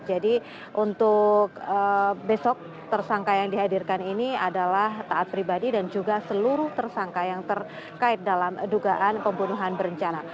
jadi untuk besok tersangka yang dihadirkan ini adalah taat pribadi dan juga seluruh tersangka yang terkait dalam dugaan pembunuhan berencana